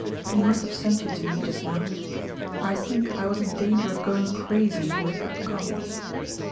"He must have sent you to me just now. I think I was in danger of going crazy if you had not come."